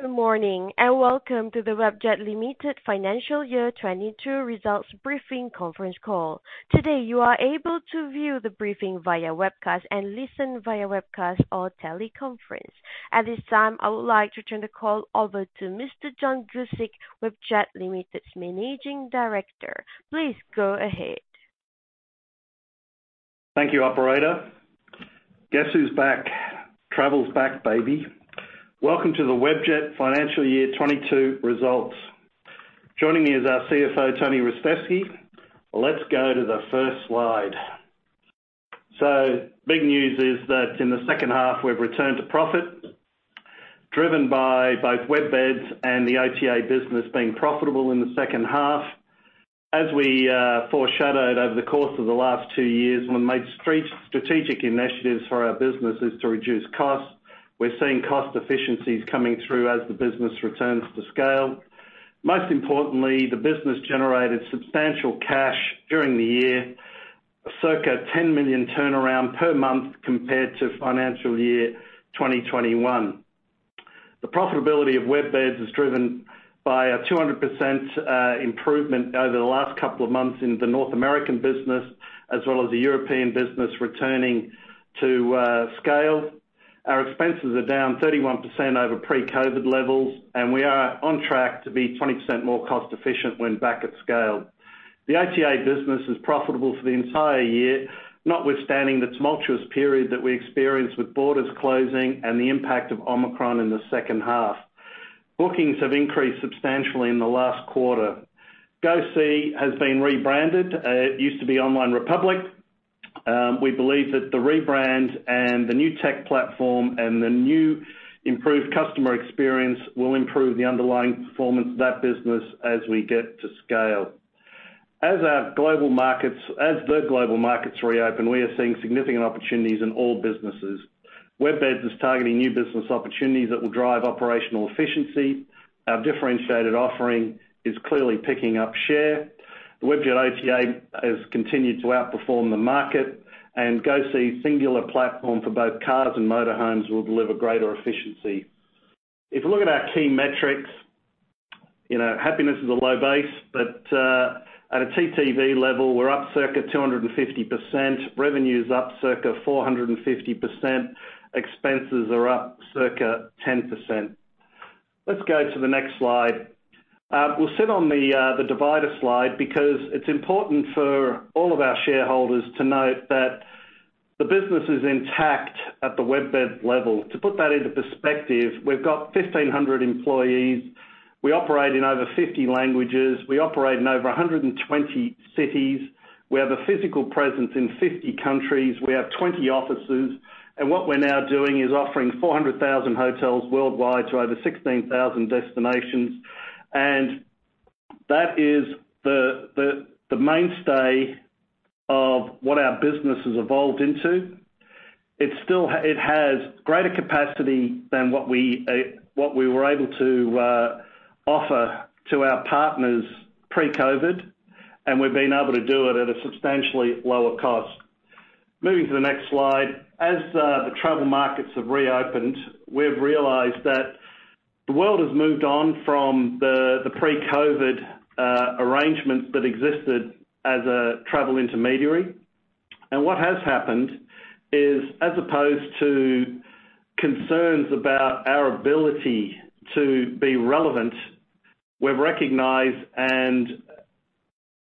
Good morning, and welcome to the Webjet Limited Financial Year 2022 results briefing conference call. Today, you are able to view the briefing via webcast and listen via webcast or teleconference. At this time, I would like to turn the call over to Mr. John Guscic, Webjet Limited's Managing Director. Please go ahead. Thank you, operator. Guess who's back? Travel's back, baby. Welcome to the Webjet Financial Year 2022 results. Joining me is our CFO, Tony Ristevski. Let's go to the first slide. Big news is that in the second half, we've returned to profit, driven by both WebBeds and the OTA business being profitable in the second half. As we foreshadowed over the course of the last two years, one of the strategic initiatives for our business is to reduce costs. We're seeing cost efficiencies coming through as the business returns to scale. Most importantly, the business generated substantial cash during the year, circa 10 million turnaround per month compared to financial year 2021. The profitability of WebBeds is driven by a 200% improvement over the last couple of months in the North American business, as well as the European business returning to scale. Our expenses are down 31% over pre-COVID levels, and we are on track to be 20% more cost-efficient when back at scale. The OTA business is profitable for the entire year, notwithstanding the tumultuous period that we experienced with borders closing and the impact of Omicron in the second half. Bookings have increased substantially in the last quarter. GoSee has been rebranded. It used to be Online Republic. We believe that the rebrand and the new tech platform and the new improved customer experience will improve the underlying performance of that business as we get to scale. As the global markets reopen, we are seeing significant opportunities in all businesses. WebBeds is targeting new business opportunities that will drive operational efficiency. Our differentiated offering is clearly picking up share. Webjet OTA has continued to outperform the market, and GoSee's singular platform for both cars and motor homes will deliver greater efficiency. If you look at our key metrics, you know, happiness is a low base, but at a TTV level, we're up circa 250%. Revenue is up circa 450%. Expenses are up circa 10%. Let's go to the next slide. We'll sit on the divider slide because it's important for all of our shareholders to note that the business is intact at the WebBeds level. To put that into perspective, we've got 1,500 employees. We operate in over 50 languages. We operate in over 120 cities. We have a physical presence in 50 countries. We have 20 offices. What we're now doing is offering 400,000 hotels worldwide to over 16,000 destinations. That is the mainstay of what our business has evolved into. It has greater capacity than what we were able to offer to our partners pre-COVID, and we've been able to do it at a substantially lower cost. Moving to the next slide. As the travel markets have reopened, we've realized that the world has moved on from the pre-COVID arrangements that existed as a travel intermediary. What has happened is, as opposed to concerns about our ability to be relevant, we've recognized and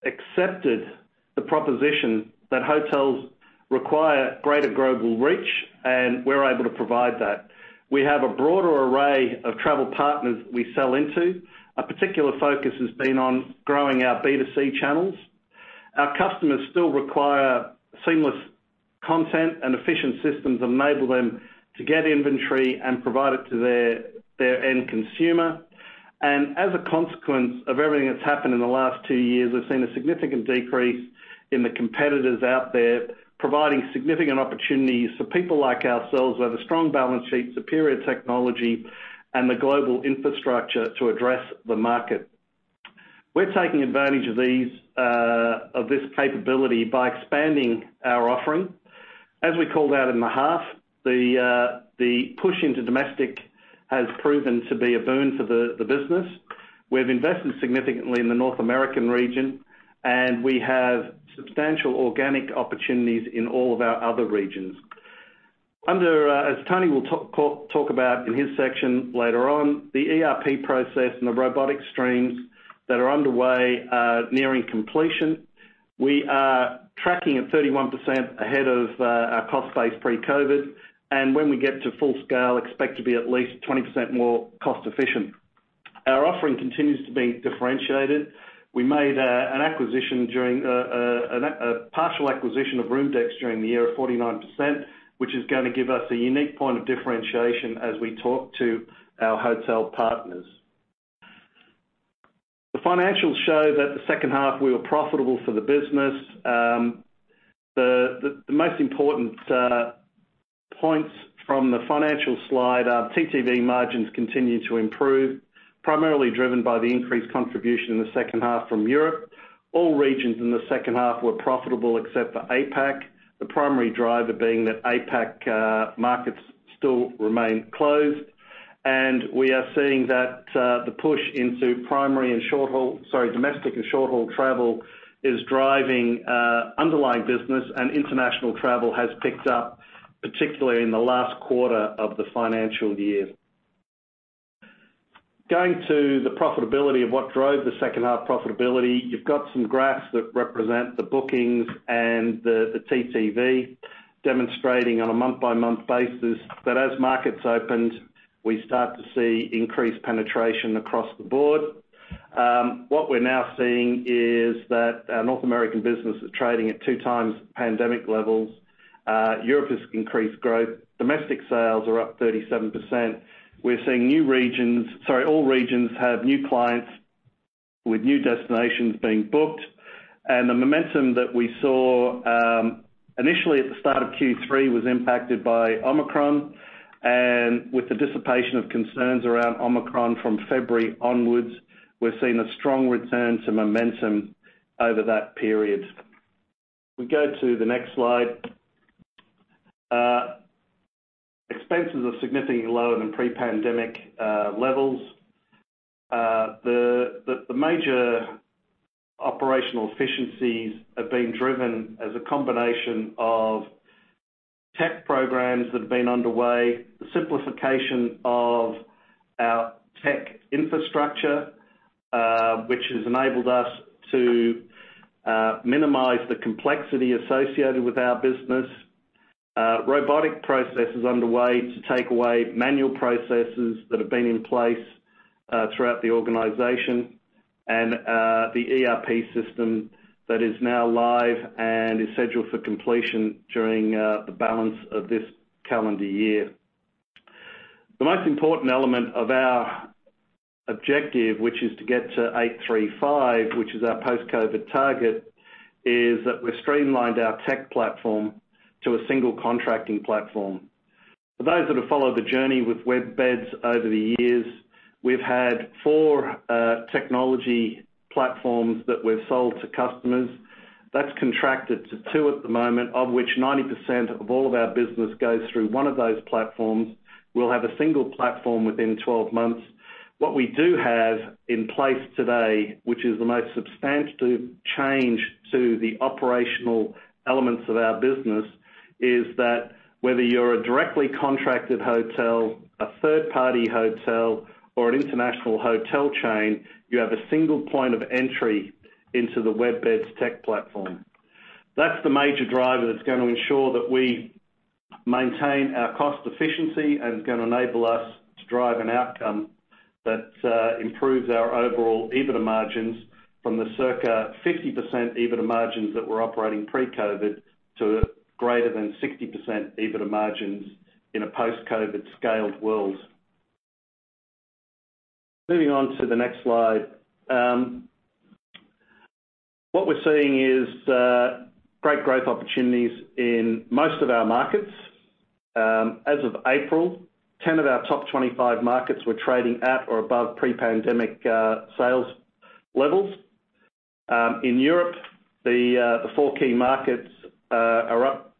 accepted the proposition that hotels require greater global reach, and we're able to provide that. We have a broader array of travel partners we sell into. A particular focus has been on growing our B2C channels. Our customers still require seamless content and efficient systems that enable them to get inventory and provide it to their end consumer. As a consequence of everything that's happened in the last two years, we've seen a significant decrease in the competitors out there, providing significant opportunities for people like ourselves who have a strong balance sheet, superior technology, and the global infrastructure to address the market. We're taking advantage of these, of this capability by expanding our offering. As we called out in the half, the push into domestic has proven to be a boon for the business. We've invested significantly in the North American region, and we have substantial organic opportunities in all of our other regions. As Tony will talk about in his section later on, the ERP process and the robotic streams that are underway are nearing completion. We are tracking at 31% ahead of our cost base pre-COVID, and when we get to full scale, expect to be at least 20% more cost-efficient. Our offering continues to be differentiated. We made a partial acquisition of ROOMDEX during the year of 49%, which is gonna give us a unique point of differentiation as we talk to our hotel partners. The financials show that the second half we were profitable for the business. The most important points from the financial slide, our TTV margins continue to improve. Primarily driven by the increased contribution in the second half from Europe. All regions in the second half were profitable except for APAC. The primary driver being that APAC markets still remain closed, and we are seeing that the push into domestic and short-haul travel is driving underlying business, and international travel has picked up, particularly in the last quarter of the financial year. Going to the profitability of what drove the second half profitability, you've got some graphs that represent the bookings and the TTV demonstrating on a month-by-month basis that as markets opened, we start to see increased penetration across the board. What we're now seeing is that our North American business is trading at 2x pandemic levels. Europe has increased growth. Domestic sales are up 37%. We're seeing all regions have new clients with new destinations being booked. The momentum that we saw initially at the start of Q3 was impacted by Omicron. With the dissipation of concerns around Omicron from February onwards, we're seeing a strong return to momentum over that period. If we go to the next slide. Expenses are significantly lower than pre-pandemic levels. The major operational efficiencies are being driven as a combination of tech programs that have been underway, the simplification of our tech infrastructure, which has enabled us to minimize the complexity associated with our business. Robotic processes underway to take away manual processes that have been in place throughout the organization, and the ERP system that is now live and is scheduled for completion during the balance of this calendar year. The most important element of our objective, which is to get to 835, which is our post-COVID target, is that we've streamlined our tech platform to a single contracting platform. For those that have followed the journey with WebBeds over the years, we've had four technology platforms that we've sold to customers. That's contracted to two at the moment, of which 90% of all of our business goes through one of those platforms. We'll have a single platform within 12 months. What we do have in place today, which is the most substantive change to the operational elements of our business, is that whether you're a directly contracted hotel, a third-party hotel, or an international hotel chain, you have a single point of entry into the WebBeds tech platform. That's the major driver that's gonna ensure that we maintain our cost efficiency and is gonna enable us to drive an outcome that improves our overall EBITDA margins from the circa 50% EBITDA margins that we're operating pre-COVID to greater than 60% EBITDA margins in a post-COVID scaled world. Moving on to the next slide. What we're seeing is great growth opportunities in most of our markets. As of April, 10 of our top 25 markets were trading at or above pre-pandemic sales levels. In Europe, the four key markets are up.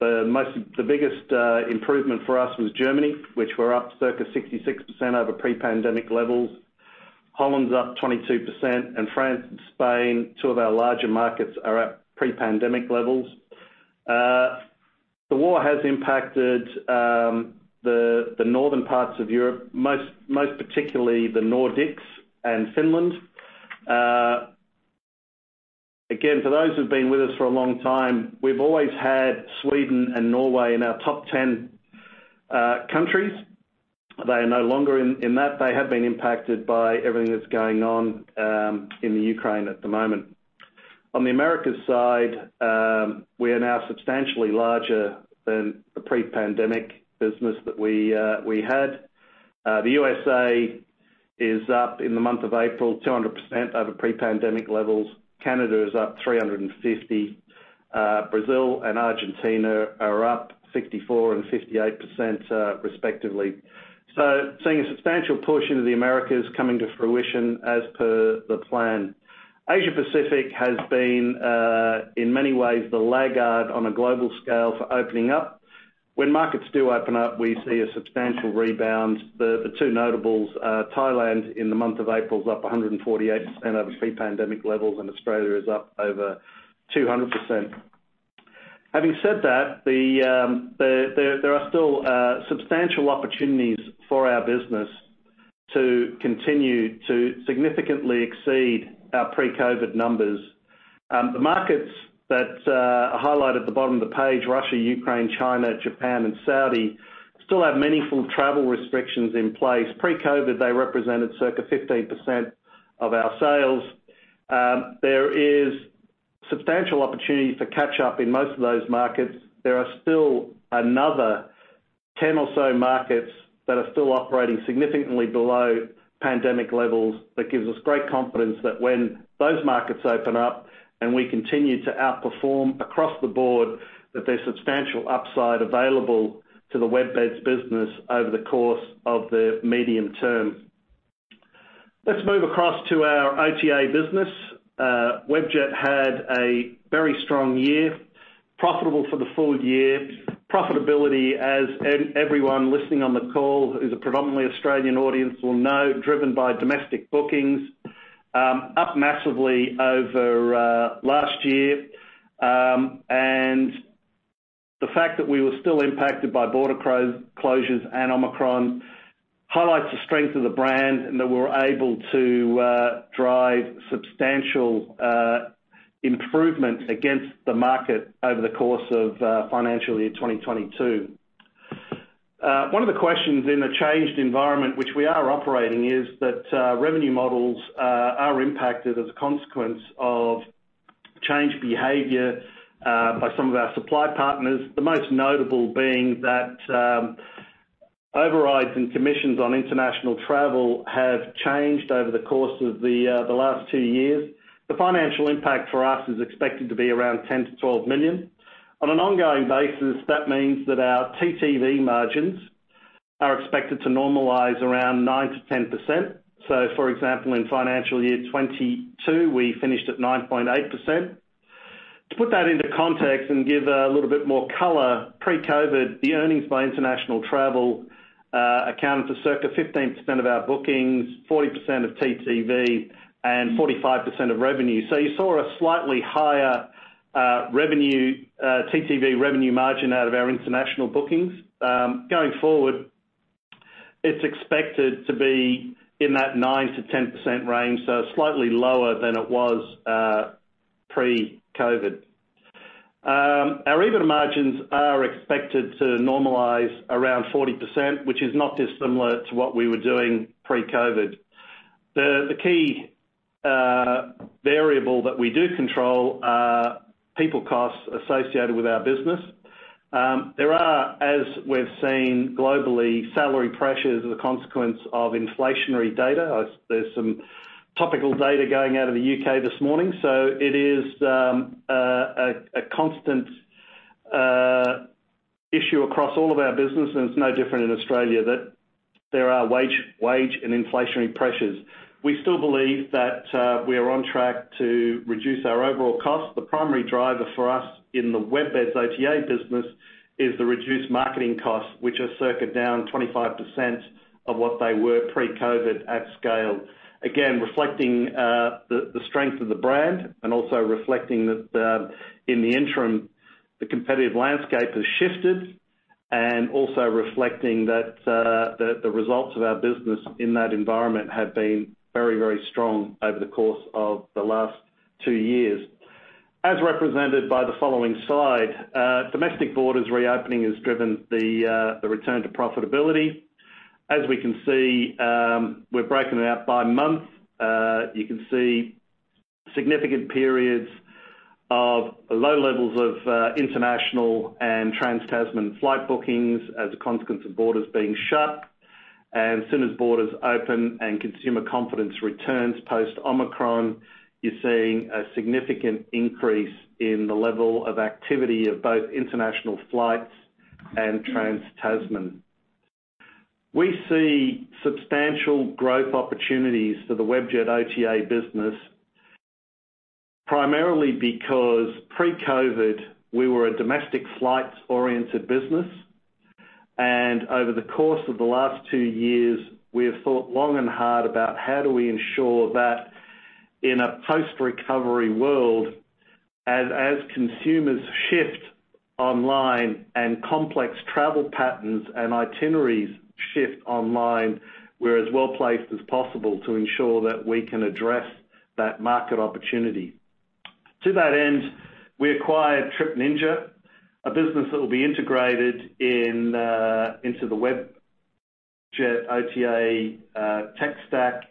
The biggest improvement for us was Germany, which were up circa 66% over pre-pandemic levels. Holland's up 22%, and France and Spain, two of our larger markets, are at pre-pandemic levels. The war has impacted the northern parts of Europe, most particularly the Nordics and Finland. Again, for those who've been with us for a long time, we've always had Sweden and Norway in our top 10 countries. They are no longer in that. They have been impacted by everything that's going on in Ukraine at the moment. On the Americas side, we are now substantially larger than the pre-pandemic business that we had. The U.S.A. is up in the month of April 200% over pre-pandemic levels. Canada is up 350%. Brazil and Argentina are up 64% and 58%, respectively. Seeing a substantial portion of the Americas coming to fruition as per the plan. Asia Pacific has been in many ways the laggard on a global scale for opening up. When markets do open up, we see a substantial rebound. The two notables, Thailand in the month of April is up 148% over pre-pandemic levels, and Australia is up over 200%. Having said that, there are still substantial opportunities for our business to continue to significantly exceed our pre-COVID numbers. The markets that are highlighted at the bottom of the page, Russia, Ukraine, China, Japan, and Saudi, still have meaningful travel restrictions in place. Pre-COVID, they represented circa 15% of our sales. There is substantial opportunities to catch up in most of those markets. There are still another 10 or so markets that are still operating significantly below pandemic levels. That gives us great confidence that when those markets open up and we continue to outperform across the board that there's substantial upside available to the WebBeds business over the course of the medium term. Let's move across to our OTA business. Webjet had a very strong year, profitable for the full year. Profitability as everyone listening on the call, who's a predominantly Australian audience will know, driven by domestic bookings, up massively over last year. And the fact that we were still impacted by border closures and Omicron highlights the strength of the brand, and that we're able to drive substantial improvement against the market over the course of financial year 2022. One of the questions in the changed environment which we are operating is that, revenue models, are impacted as a consequence of changed behavior, by some of our supply partners. The most notable being that, overrides and commissions on international travel have changed over the course of the last two years. The financial impact for us is expected to be around 10 million-12 million. On an ongoing basis, that means that our TTV margins are expected to normalize around 9%-10%. For example, in financial year 2022, we finished at 9.8%. To put that into context and give a little bit more color, pre-COVID, the earnings by international travel accounted for circa 15% of our bookings, 40% of TTV, and 45% of revenue. You saw a slightly higher revenue TTV revenue margin out of our international bookings. Going forward, it's expected to be in that 9%-10% range, so slightly lower than it was pre-COVID. Our EBITDA margins are expected to normalize around 40%, which is not dissimilar to what we were doing pre-COVID. The key variable that we do control are people costs associated with our business. There are, as we've seen globally, salary pressures as a consequence of inflationary data. There's some topical data going out of the U.K. this morning, so it is a constant issue across all of our business, and it's no different in Australia that there are wage and inflationary pressures. We still believe that we are on track to reduce our overall costs. The primary driver for us in the web-based OTA business is the reduced marketing costs, which are circa down 25% of what they were pre-COVID at scale. Again, reflecting the strength of the brand and also reflecting that in the interim, the competitive landscape has shifted, and also reflecting that the results of our business in that environment have been very, very strong over the course of the last two years. As represented by the following slide, domestic borders reopening has driven the return to profitability. As we can see, we've broken it out by month. You can see significant periods of low levels of international and Trans-Tasman flight bookings as a consequence of borders being shut. Soon as borders open and consumer confidence returns post Omicron, you're seeing a significant increase in the level of activity of both international flights and Trans-Tasman. We see substantial growth opportunities for the Webjet OTA business, primarily because pre-COVID, we were a domestic flights-oriented business. Over the course of the last two years, we have thought long and hard about how do we ensure that in a post-recovery world, as consumers shift online and complex travel patterns and itineraries shift online, we're as well placed as possible to ensure that we can address that market opportunity. To that end, we acquired Trip Ninja, a business that will be integrated into the Webjet OTA tech stack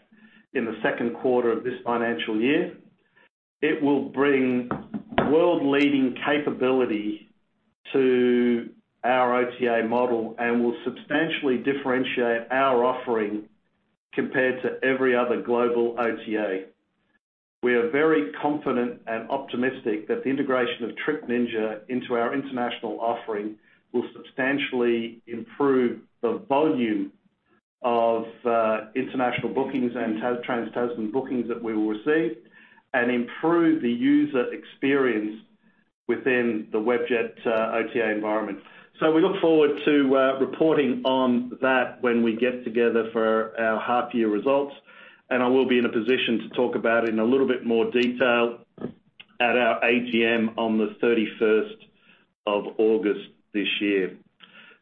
in the second quarter of this financial year. It will bring world-leading capability to our OTA model and will substantially differentiate our offering compared to every other global OTA. We are very confident and optimistic that the integration of Trip Ninja into our international offering will substantially improve the volume of international bookings and Trans-Tasman bookings that we will receive and improve the user experience within the Webjet OTA environment. We look forward to reporting on that when we get together for our half-year results. I will be in a position to talk about it in a little bit more detail at our AGM on the 31st August, this year.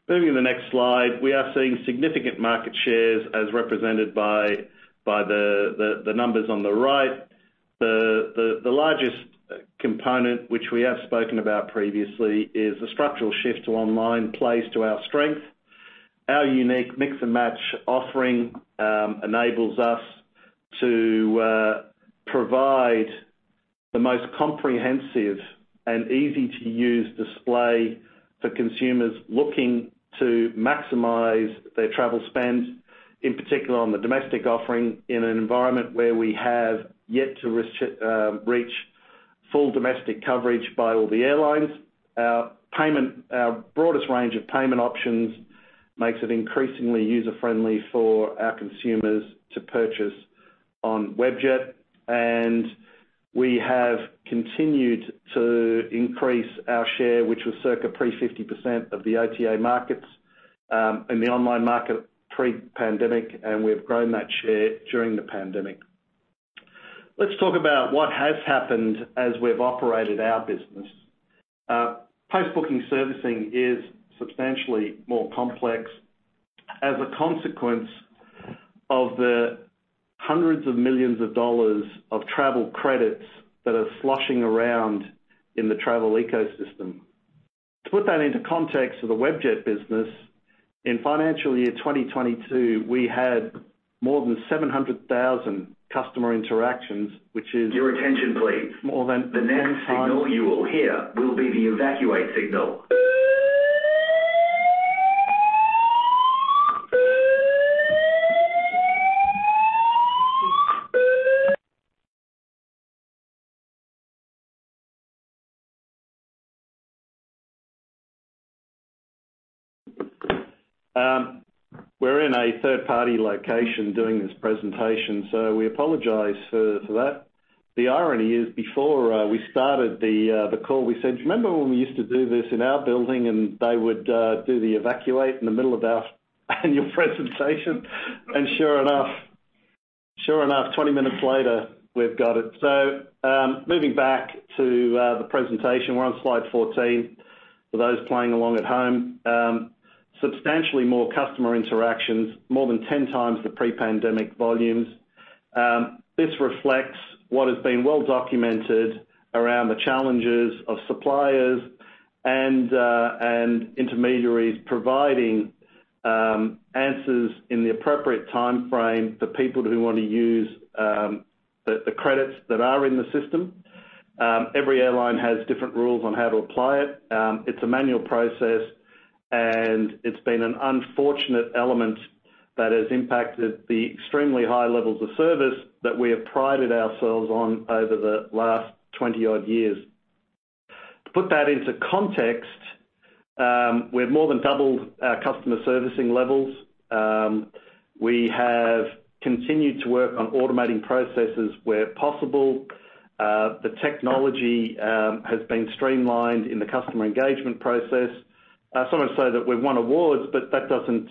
Moving to the next slide, we are seeing significant market shares as represented by the numbers on the right. The largest component, which we have spoken about previously, is the structural shift to online plays to our strength. Our unique mix-and-match offering enables us to provide the most comprehensive and easy-to-use display for consumers looking to maximize their travel spend, in particular on the domestic offering in an environment where we have yet to reach full domestic coverage by all the airlines. Our broadest range of payment options makes it increasingly user-friendly for our consumers to purchase on Webjet. We have continued to increase our share, which was circa pre 50% of the OTA markets in the online market pre-pandemic, and we've grown that share during the pandemic. Let's talk about what has happened as we've operated our business. Post-booking servicing is substantially more complex as a consequence of the hundreds of millions of dollars of travel credits that are sloshing around in the travel ecosystem. To put that into context of the Webjet business, in financial year 2022, we had more than 700,000 customer interactions. Your attention, please. The next signal you will hear will be the evacuation signal. We're in a third-party location doing this presentation, so we apologize for that. The irony is before we started the call, we said, "Remember when we used to do this in our building, and they would do the evacuation in the middle of our annual presentation?" Sure enough, 20 minutes later, we've got it. Moving back to the presentation, we're on slide 14 for those playing along at home. Substantially more customer interactions, more than 10 times the pre-pandemic volumes. This reflects what has been well documented around the challenges of suppliers and intermediaries providing answers in the appropriate timeframe for people who want to use the credits that are in the system. Every airline has different rules on how to apply it. It's a manual process, and it's been an unfortunate element that has impacted the extremely high levels of service that we have prided ourselves on over the last 20-odd years. To put that into context, we've more than doubled our customer servicing levels. We have continued to work on automating processes where possible. The technology has been streamlined in the customer engagement process. Some would say that we've won awards, but that doesn't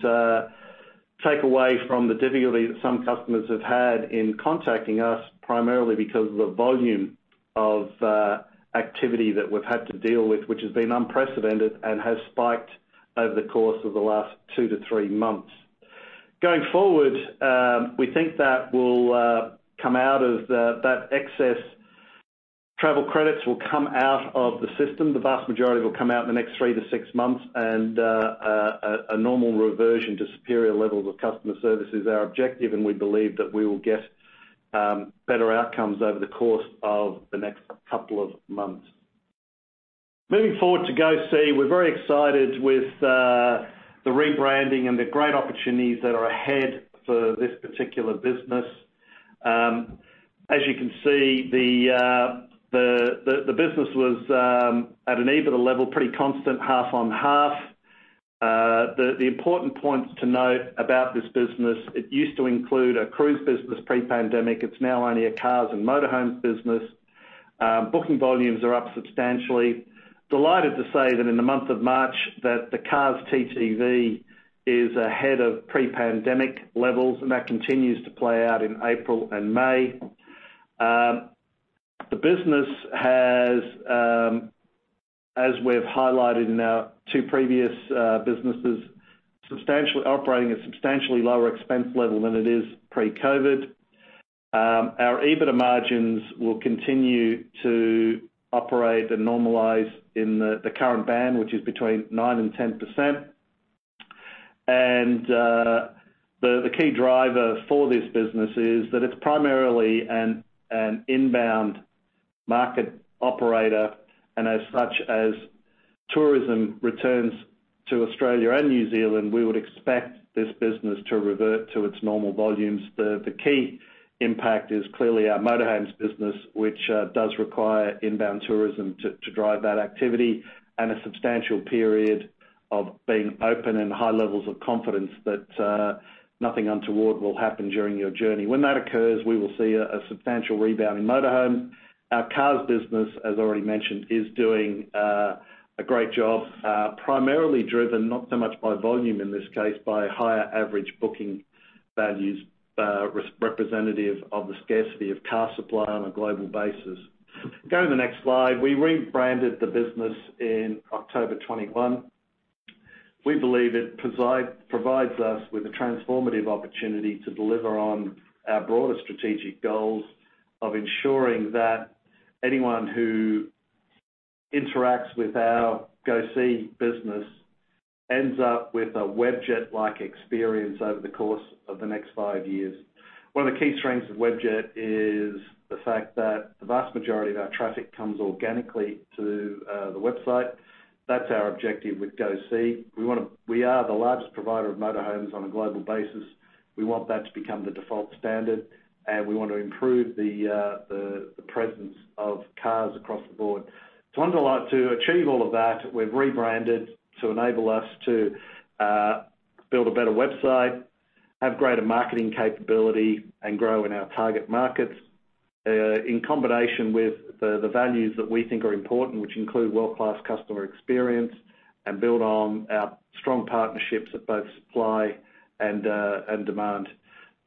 take away from the difficulty that some customers have had in contacting us, primarily because of the volume of activity that we've had to deal with, which has been unprecedented and has spiked over the course of the last 2-3 months. Going forward, we think that the excess travel credits will come out of the system. The vast majority will come out in the next 3-6 months. A normal reversion to superior levels of customer service is our objective, and we believe that we will get better outcomes over the course of the next couple of months. Moving forward to GoSee, we're very excited with the rebranding and the great opportunities that are ahead for this particular business. As you can see, the business was at an EBITDA level, pretty constant half on half. The important points to note about this business, it used to include a cruise business pre-pandemic. It's now only a cars and motorhomes business. Booking volumes are up substantially. Delighted to say that in the month of March, the cars TTV is ahead of pre-pandemic levels, and that continues to play out in April and May. The business has, as we've highlighted in our two previous businesses, operating a substantially lower expense level than it is pre-COVID. Our EBITDA margins will continue to operate and normalize in the current band, which is between 9% and 10%. The key driver for this business is that it's primarily an inbound market operator, and as such, as tourism returns to Australia and New Zealand, we would expect this business to revert to its normal volumes. The key impact is clearly our motorhomes business, which does require inbound tourism to drive that activity and a substantial period of being open and high levels of confidence that nothing untoward will happen during your journey. When that occurs, we will see a substantial rebound in motorhomes. Our cars business, as already mentioned, is doing a great job, primarily driven not so much by volume in this case, by higher average booking values, representative of the scarcity of car supply on a global basis. Go to the next slide. We rebranded the business in October 2021. We believe it provides us with a transformative opportunity to deliver on our broader strategic goals of ensuring that anyone who interacts with our GoSee business ends up with a Webjet-like experience over the course of the next five years. One of the key strengths of Webjet is the fact that the vast majority of our traffic comes organically to the website. That's our objective with GoSee. We are the largest provider of motorhomes on a global basis. We want that to become the default standard, and we want to improve the presence of cars across the board. To achieve all of that, we've rebranded to enable us to build a better website, have greater marketing capability, and grow in our target markets, in combination with the values that we think are important, which include world-class customer experience and build on our strong partnerships at both supply and demand,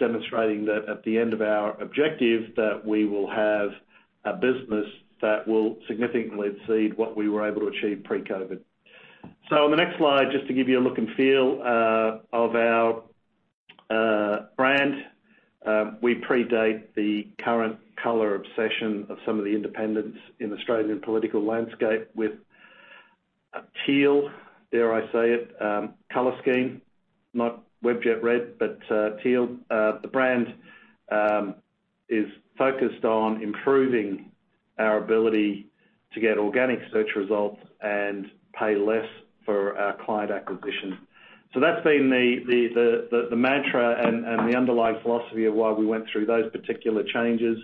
demonstrating that at the end of our objective, that we will have a business that will significantly exceed what we were able to achieve pre-COVID. On the next slide, just to give you a look and feel of our brand, we predate the current color obsession of some of the independents in the Australian political landscape with a teal, dare I say it, color scheme, not Webjet red, but teal. The brand is focused on improving our ability to get organic search results and pay less for our client acquisition. That's been the mantra and the underlying philosophy of why we went through those particular changes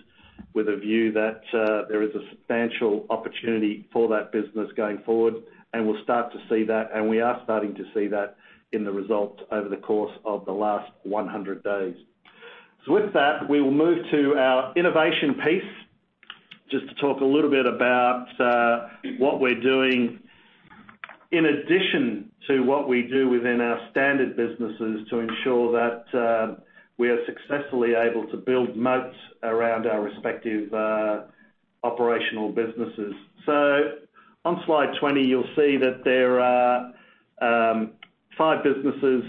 with a view that there is a substantial opportunity for that business going forward. We'll start to see that, and we are starting to see that in the results over the course of the last 100 days. With that, we will move to our innovation piece just to talk a little bit about what we're doing in addition to what we do within our standard businesses to ensure that we are successfully able to build moats around our respective operational businesses. On slide 20, you'll see that there are five businesses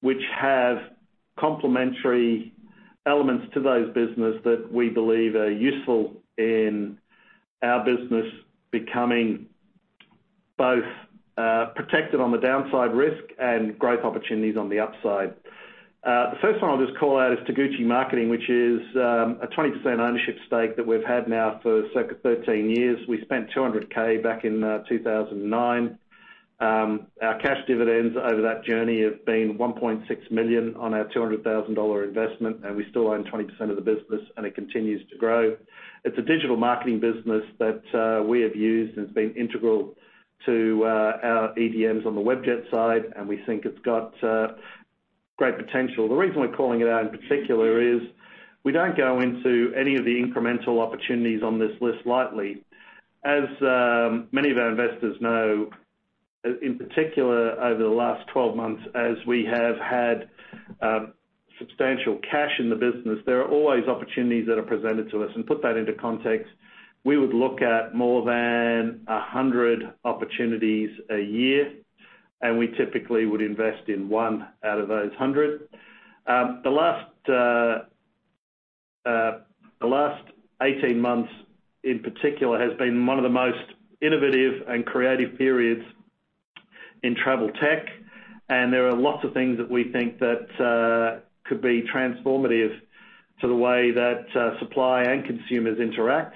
which have complementary elements to those businesses that we believe are useful in our business becoming both protected on the downside risk and growth opportunities on the upside. The first one I'll just call out is Taguchi Marketing, which is a 20% ownership stake that we've had now for circa 13 years. We spent 200K back in 2009. Our cash dividends over that journey have been 1.6 million on our 200,000-dollar investment, and we still own 20% of the business, and it continues to grow. It's a digital marketing business that we have used, and it's been integral to our EDMs on the Webjet side, and we think it's got great potential. The reason we're calling it out in particular is we don't go into any of the incremental opportunities on this list lightly. As many of our investors know, in particular over the last 12 months, as we have had substantial cash in the business, there are always opportunities that are presented to us. Put that into context, we would look at more than 100 opportunities a year, and we typically would invest in one out of those 100. The last 18 months in particular has been one of the most innovative and creative periods in travel tech, and there are lots of things that we think that could be transformative to the way that supply and consumers interact.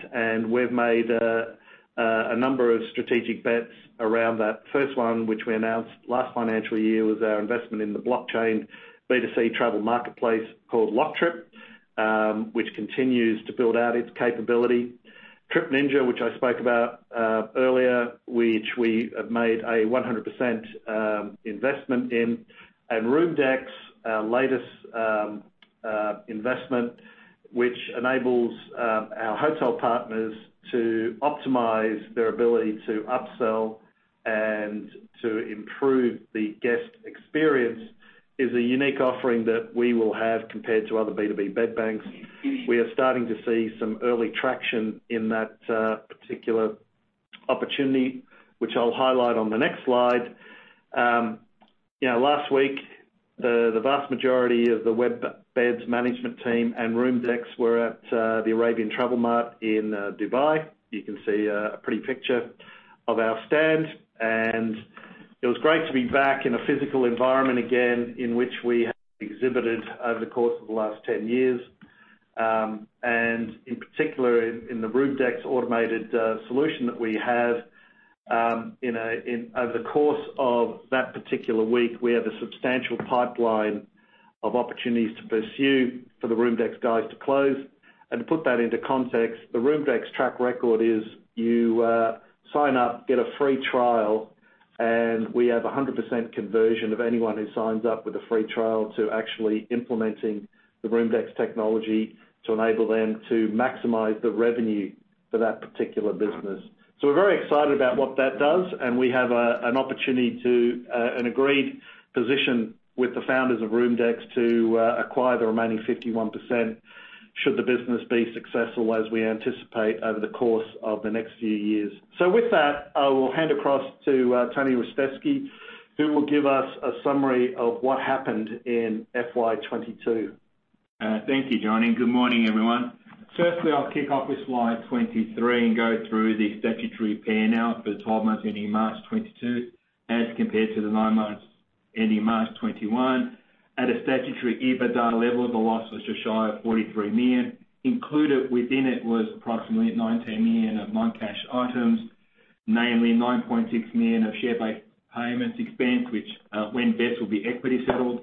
We've made a number of strategic bets around that. First one, which we announced last financial year, was our investment in the blockchain B2C travel marketplace called LockTrip, which continues to build out its capability. Trip Ninja, which I spoke about earlier, which we have made a 100% investment in ROOMDEX, our latest investment, which enables our hotel partners to optimize their ability to upsell and to improve the guest experience, is a unique offering that we will have compared to other B2B bed banks. We are starting to see some early traction in that, particular opportunity, which I'll highlight on the next slide. You know, last week, the vast majority of the WebBeds management team and ROOMDEX were at, the Arabian Travel Market in, Dubai. You can see, a pretty picture of our stand, and it was great to be back in a physical environment again in which we exhibited over the course of the last 10 years. In particular, in the ROOMDEX automated, solution that we have, over the course of that particular week, we have a substantial pipeline of opportunities to pursue for the ROOMDEX guys to close. To put that into context, the ROOMDEX track record is you sign up, get a free trial, and we have 100% conversion of anyone who signs up with a free trial to actually implementing the ROOMDEX technology to enable them to maximize the revenue for that particular business. We're very excited about what that does, and we have an opportunity to an agreed position with the founders of ROOMDEX to acquire the remaining 51% should the business be successful as we anticipate over the course of the next few years. With that, I will hand across to Tony Ristevski, who will give us a summary of what happened in FY 2022. Thank you, John, and good morning, everyone. Firstly, I'll kick off with slide 23 and go through the statutory P&L for the 12 months ending March 2022, as compared to the nine months ending March 2021. At a statutory EBITDA level, the loss was just shy of 43 million. Included within it was approximately 19 million of non-cash items. Namely 9.6 million of share-based payments expense, which, when vested will be equity settled.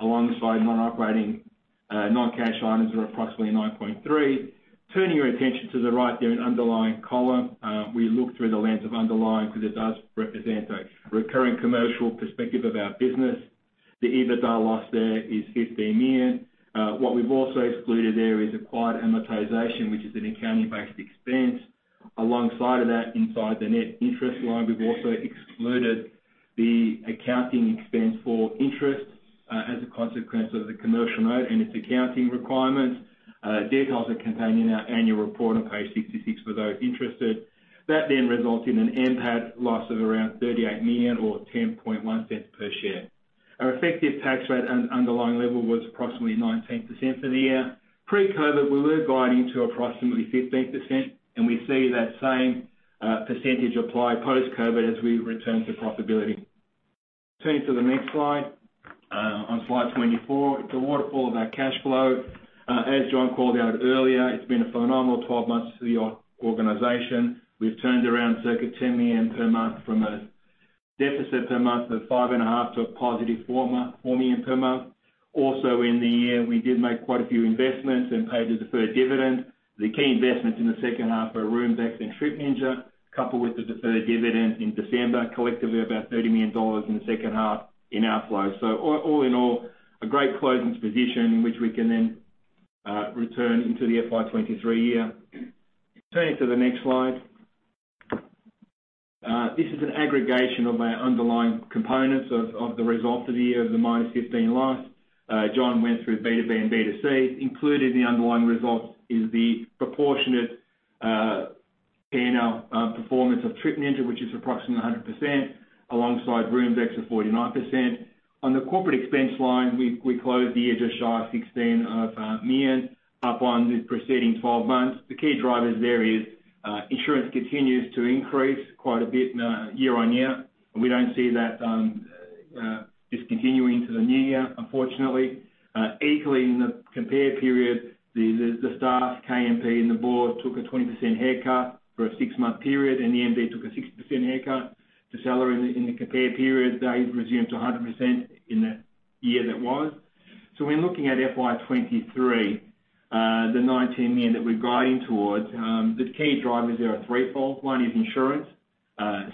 Alongside non-operating, non-cash items are approximately 9.3 million. Turning your attention to the right there in underlying column, we look through the lens of underlying because it does represent a recurring commercial perspective of our business. The EBITDA loss there is 15 million. What we've also excluded there is acquired amortization, which is an accounting-based expense. Alongside of that, inside the net interest line, we've also excluded the accounting expense for interest as a consequence of the commercial note and its accounting requirements. Details are contained in our annual report on page 66 for those interested. That then results in an NPAT loss of around 38 million or 0.101 per share. Our effective tax rate underlying level was approximately 19% for the year. Pre-COVID, we were guiding to approximately 15%, and we see that same percentage apply post-COVID as we return to profitability. Turning to the next slide, on slide 24, the waterfall of our cash flow. As John called out earlier, it's been a phenomenal 12 months for the organization. We've turned around circa 10 million per month from a deficit per month of 5.5 million to a positive 4 million per month. In the year, we did make quite a few investments and paid a deferred dividend. The key investments in the second half are ROOMDEX and Trip Ninja, coupled with the deferred dividend in December, collectively about 30 million dollars in the second half in outflow. All in all, a great closing position in which we can then return into the FY 2023 year. Turning to the next slide. This is an aggregation of our underlying components of the results of the year of the -15 million loss. John went through B2B and B2C. Included in the underlying results is the proportionate P&L performance of Trip Ninja, which is approximately 100%, alongside ROOMDEX at 49%. On the corporate expense line, we closed the year just shy of 16 million, up on the preceding 12 months. The key drivers there is insurance continues to increase quite a bit year-on-year, and we don't see that discontinuing into the new year, unfortunately. Equally, in the comparative period, the staff, KMP and the board took a 20% haircut for a six-month period, and the MD took a 6% haircut to salary in the comparative period. They resumed to 100% in the year that was. When looking at FY 2023, the AUD 19 million that we're guiding towards, the key drivers there are threefold. One is insurance.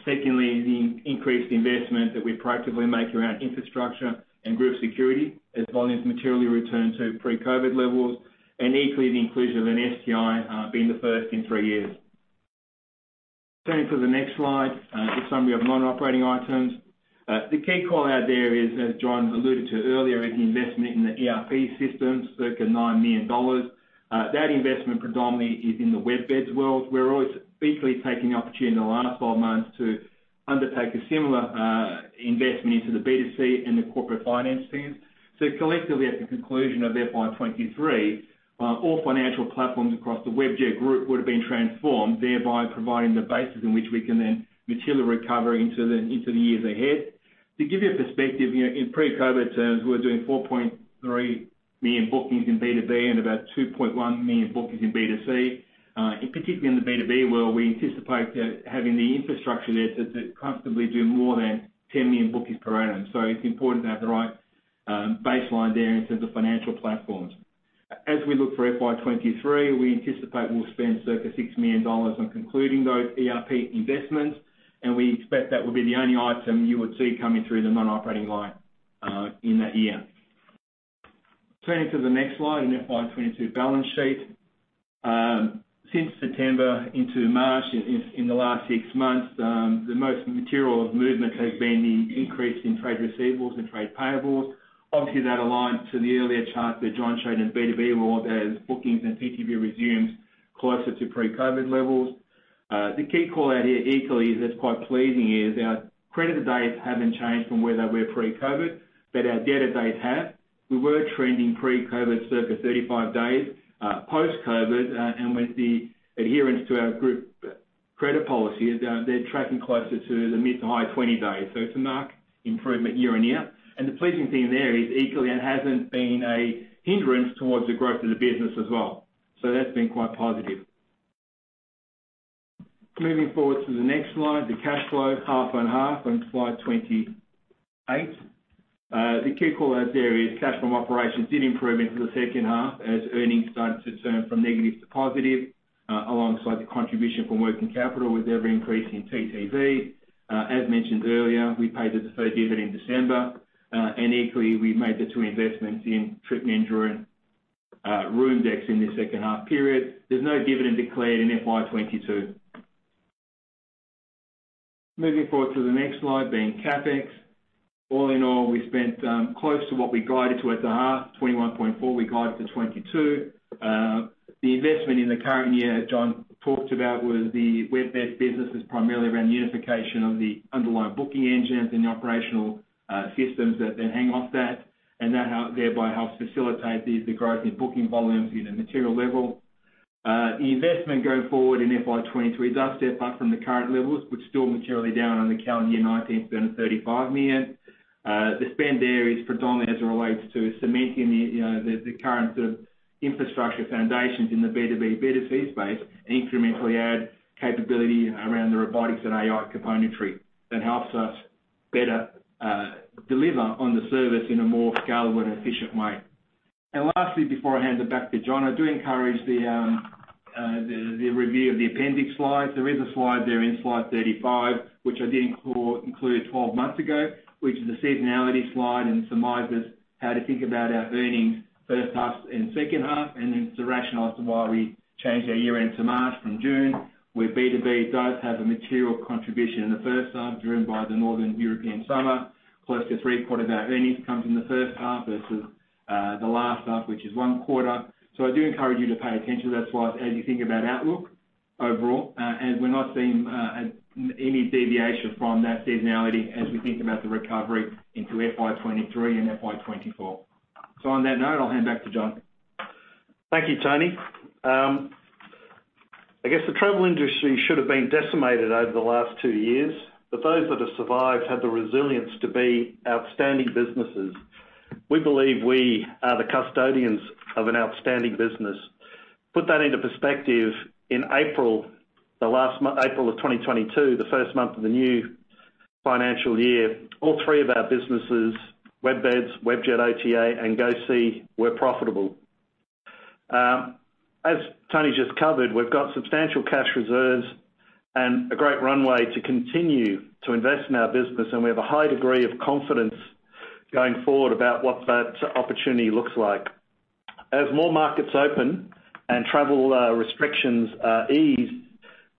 Secondly is the increased investment that we proactively make around infrastructure and group security as volumes materially return to pre-COVID levels. Equally, the inclusion of an STI, being the first in three years. Turning to the next slide. A summary of non-operating items. The key call out there is, as John alluded to earlier, the investment in the ERP systems, circa 9 million dollars. That investment predominantly is in the WebBeds world. Briefly taking the opportunity in the last five months to undertake a similar investment into the B2C and the corporate finance teams. Collectively, at the conclusion of FY 2023, all financial platforms across the Webjet Group would have been transformed, thereby providing the basis in which we can then materially recover into the years ahead. To give you a perspective, you know, in pre-COVID terms, we were doing 4.3 million bookings in B2B and about 2.1 million bookings in B2C. In particular in the B2B world, we anticipate having the infrastructure there to comfortably do more than 10 million bookings per annum. It's important to have the right baseline there in terms of financial platforms. As we look for FY 2023, we anticipate we'll spend circa 6 million dollars on concluding those ERP investments, and we expect that will be the only item you would see coming through the non-operating line in that year. Turning to the next slide, an FY 2022 balance sheet. Since September into March, in the last six months, the most material of movement has been the increase in trade receivables and trade payables. Obviously, that aligns to the earlier chart that John showed in B2B world as bookings and TTV resumes closer to pre-COVID levels. The key call out here equally that's quite pleasing is our creditor days haven't changed from where they were pre-COVID, but our debtor days have. We were trending pre-COVID circa 35 days. Post-COVID, and with the adherence to our group credit policy, they're tracking closer to the mid-to-high 20 days. It's a marked improvement year-on-year. The pleasing thing there is equally it hasn't been a hindrance towards the growth of the business as well. That's been quite positive. Moving forward to the next slide, the cash flow, half on half on slide 28. The key call out there is cash from operations did improve into the second half as earnings started to turn from negative to positive, alongside the contribution from working capital with every increase in TTV. As mentioned earlier, we paid the deferred dividend in December. Equally, we made the two investments in Trip Ninja and ROOMDEX in the second half period. There's no dividend declared in FY 2022. Moving forward to the next slide, being CapEx. All in all, we spent close to what we guided to at the half, 21.4. We guided to 22. The investment in the current year John talked about was the WebBeds business, is primarily around unification of the underlying booking engines and the operational systems that hang off that. Thereby helps facilitate the growth in booking volumes at a material level. The investment going forward in FY 2023 does step up from the current levels. We're still materially down on the calendar year 2019 to 35 million. The spend there is predominantly as it relates to cementing, you know, the current sort of infrastructure foundations in the B2B, B2C space, and incrementally add capability around the robotics and AI componentry that helps us better deliver on the service in a more scalable and efficient way. Lastly, before I hand it back to John, I do encourage the review of the appendix slides. There is a slide there in slide 35, which I didn't include 12 months ago, which is a seasonality slide, and summarizes how to think about our earnings first half and second half, and it's to rationalize why we changed our year-end to March from June, where B2B does have a material contribution in the first half, driven by the Northern European summer. Close to three-quarters of our earnings comes in the first half versus the last half, which is one quarter. I do encourage you to pay attention to that slide as you think about outlook overall. We're not seeing any deviation from that seasonality as we think about the recovery into FY 2023 and FY 2024. On that note, I'll hand back to John. Thank you, Tony. I guess the travel industry should have been decimated over the last two years, but those that have survived had the resilience to be outstanding businesses. We believe we are the custodians of an outstanding business. Put that into perspective, in April 2022, the first month of the new financial year, all three of our businesses, WebBeds, Webjet OTA, and GoSee were profitable. As Tony just covered, we've got substantial cash reserves and a great runway to continue to invest in our business, and we have a high degree of confidence going forward about what that opportunity looks like. As more markets open and travel restrictions ease,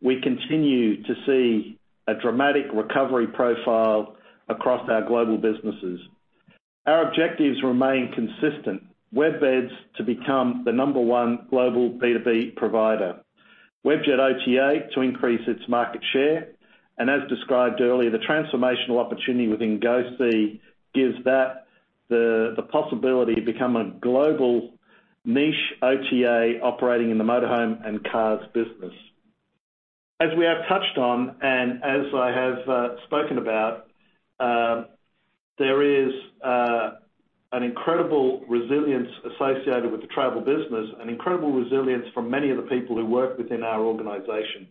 we continue to see a dramatic recovery profile across our global businesses. Our objectives remain consistent. WebBeds to become the number one global B2B provider. Webjet OTA to increase its market share. As described earlier, the transformational opportunity within GoSee gives the possibility to become a global niche OTA operating in the motor home and cars business. As we have touched on, and as I have spoken about, there is an incredible resilience associated with the travel business, an incredible resilience from many of the people who work within our organization.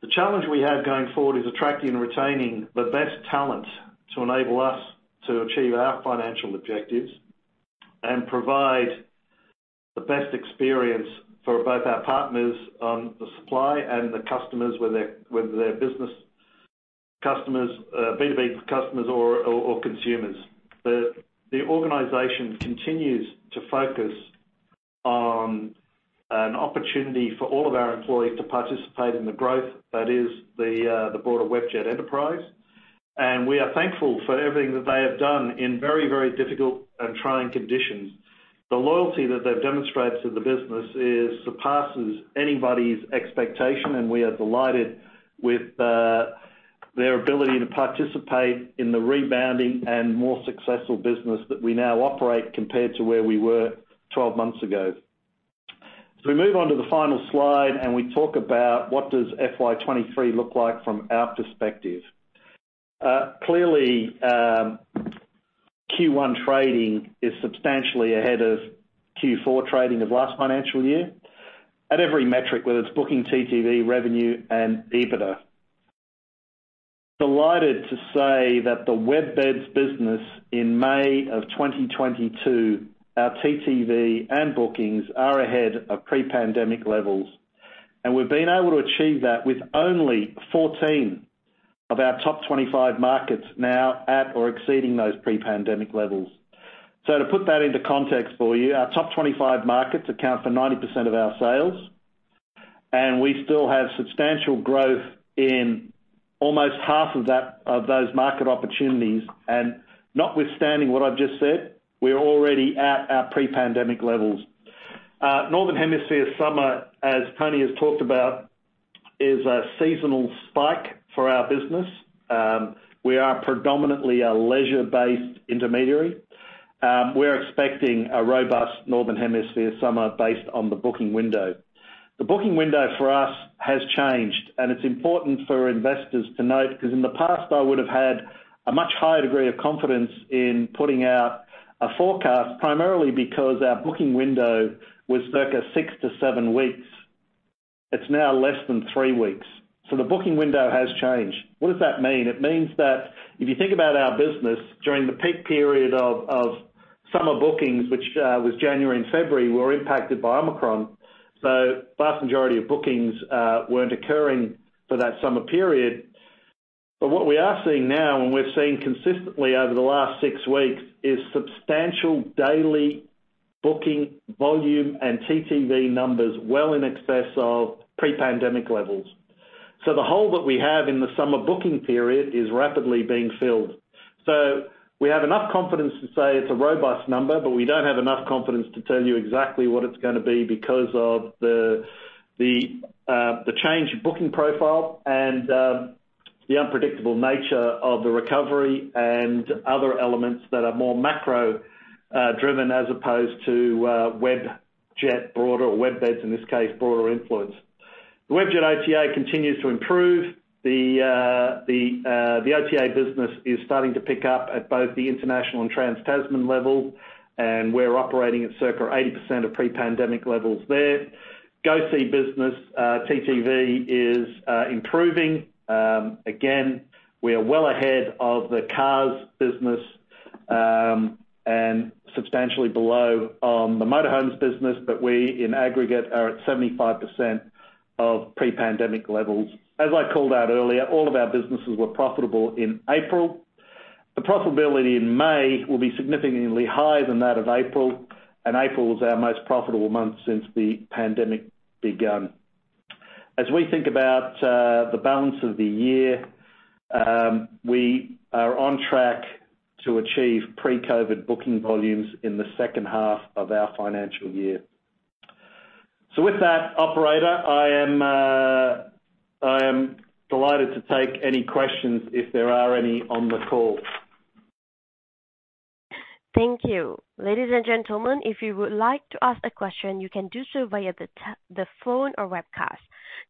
The challenge we have going forward is attracting and retaining the best talent to enable us to achieve our financial objectives and provide the best experience for both our partners on the supply and the customers, whether they're business customers, B2B customers or consumers. The organization continues to focus on an opportunity for all of our employees to participate in the growth that is the broader Webjet enterprise. We are thankful for everything that they have done in very, very difficult and trying conditions. The loyalty that they've demonstrated to the business surpasses anybody's expectation, and we are delighted with their ability to participate in the rebounding and more successful business that we now operate compared to where we were 12 months ago. As we move on to the final slide, and we talk about what does FY 2023 look like from our perspective. Clearly, Q1 trading is substantially ahead of Q4 trading of last financial year at every metric, whether it's booking TTV, revenue, and EBITDA. Delighted to say that the WebBeds business in May 2022, our TTV and bookings are ahead of pre-pandemic levels, and we've been able to achieve that with only 14 of our top 25 markets now at or exceeding those pre-pandemic levels. To put that into context for you, our top 25 markets account for 90% of our sales, and we still have substantial growth in almost half of those market opportunities. Notwithstanding what I've just said, we're already at our pre-pandemic levels. Northern Hemisphere summer, as Tony has talked about, is a seasonal spike for our business. We are predominantly a leisure-based intermediary. We're expecting a robust Northern Hemisphere summer based on the booking window. The booking window for us has changed, and it's important for investors to note, 'cause in the past, I would have had a much higher degree of confidence in putting out a forecast, primarily because our booking window was circa 6-7 weeks. It's now less than three weeks. The booking window has changed. What does that mean? It means that if you think about our business during the peak period of summer bookings, which was January and February, we were impacted by Omicron, so vast majority of bookings weren't occurring for that summer period. What we are seeing now, and we're seeing consistently over the last six weeks, is substantial daily booking volume and TTV numbers well in excess of pre-pandemic levels. The hole that we have in the summer booking period is rapidly being filled. We have enough confidence to say it's a robust number, but we don't have enough confidence to tell you exactly what it's gonna be because of the change in booking profile and the unpredictable nature of the recovery and other elements that are more macro driven as opposed to Webjet's broader, or WebBeds' in this case, broader influence. The Webjet OTA continues to improve. The OTA business is starting to pick up at both the international and Trans-Tasman level, and we're operating at circa 80% of pre-pandemic levels there. GoSee business, TTV is improving. Again, we are well ahead of the cars business, and substantially below on the motor homes business. We, in aggregate, are at 75% of pre-pandemic levels. As I called out earlier, all of our businesses were profitable in April. The profitability in May will be significantly higher than that of April, and April was our most profitable month since the pandemic begun. As we think about the balance of the year, we are on track to achieve pre-COVID booking volumes in the second half of our financial year. With that operator, I am delighted to take any questions if there are any on the call. Thank you. Ladies and gentlemen, if you would like to ask a question, you can do so via the phone or webcast.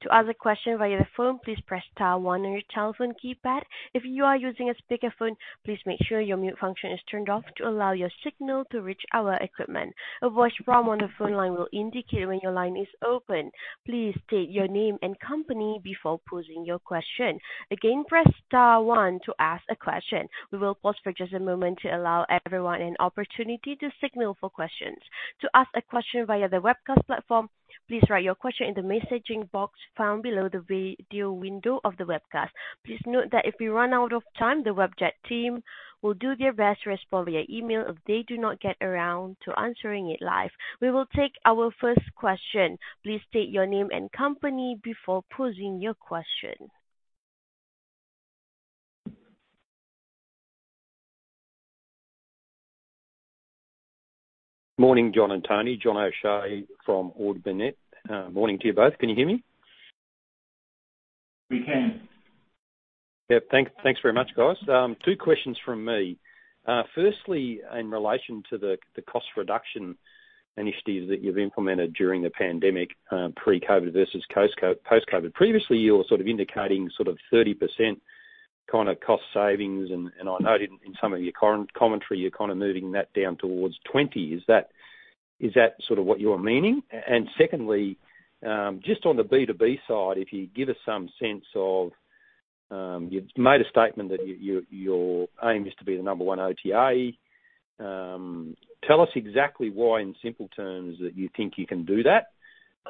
To ask a question via the phone, please press star one on your telephone keypad. If you are using a speakerphone, please make sure your mute function is turned off to allow your signal to reach our equipment. A voice prompt on the phone line will indicate when your line is open. Please state your name and company before posing your question. Again, press star one to ask a question. We will pause for just a moment to allow everyone an opportunity to signal for questions. To ask a question via the webcast platform, please write your question in the messaging box found below the video window of the webcast. Please note that if we run out of time, the Webjet team will do their best to respond via email if they do not get around to answering it live. We will take our first question. Please state your name and company before posing your question. Morning, John and Tony. John O'Shea from Ord Minnett. Morning to you both. Can you hear me? We can. Thanks very much, guys. Two questions from me. Firstly, in relation to the cost reduction initiatives that you've implemented during the pandemic, pre-COVID versus post-COVID. Previously, you were sort of indicating sort of 30% kinda cost savings, and I noted in some of your current commentary, you're kinda moving that down towards 20%. Is that sort of what you're meaning? And secondly, just on the B2B side, if you give us some sense of, you've made a statement that your aim is to be the number one OTA. Tell us exactly why, in simple terms, that you think you can do that,